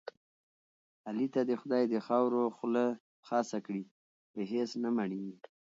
علي ته دې خدای د خاورو خوله خاصه کړي په هېڅ نه مړېږي.